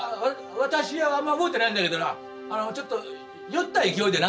私はあんまり覚えてないんだけどなあのちょっと酔った勢いでな。